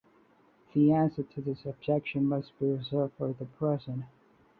The answer to this objection must be reserved for the present.